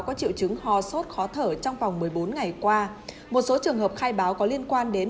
có triệu chứng ho sốt khó thở trong vòng một mươi bốn ngày qua một số trường hợp khai báo có liên quan đến